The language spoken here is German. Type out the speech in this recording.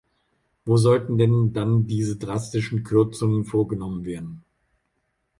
Wo sollten denn dann diese drastischen Kürzungen vorgenommen werden?